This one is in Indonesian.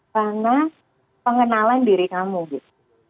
karena pengenalan diri kamu gitu